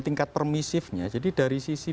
tingkat permisifnya jadi dari sisi